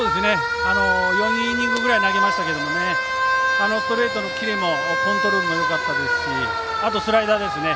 ４イニングぐらい投げましたがストレートのキレもコントロールもよかったですしあと、スライダーですね。